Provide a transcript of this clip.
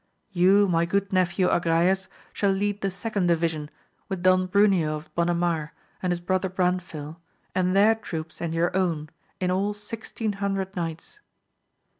You my good nephew Agrayes shall lead the second division with Don Bruneo of Bonamar and his brother Branfil, and their troops and your own, in all sixteen hundred knights.